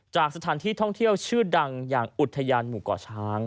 สถานที่ท่องเที่ยวชื่อดังอย่างอุทยานหมู่เกาะช้าง